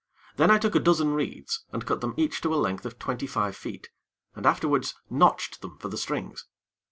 Then I took a dozen reeds and cut them each to a length of twenty five feet, and afterwards notched them for the strings.